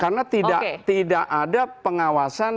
karena tidak ada pengawasan